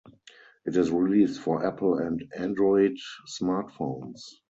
It is released for Apple and Android smartphones.